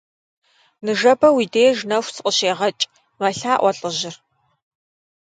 Ныжэбэ уи деж нэху сыкъыщегъэкӀ, - мэлъаӀуэ лӀыжьыр.